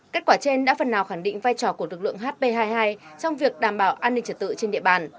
kết quả trên đã phần nào khẳng định vai trò của lực lượng hp hai mươi hai trong việc đảm bảo an ninh trật tự trên địa bàn